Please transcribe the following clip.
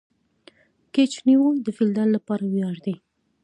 کېچ نیول د فیلډر له پاره ویاړ دئ.